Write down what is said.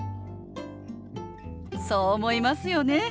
そう思いますよね。